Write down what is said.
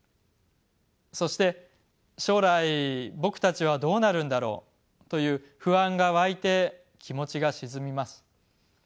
そして将来僕たちはどうなるんだろうという不安がわいて気持ちが沈みます。